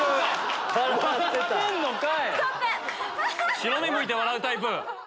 白目むいて笑うタイプ！